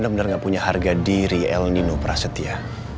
benar benar gak punya harga diri el nino prasetya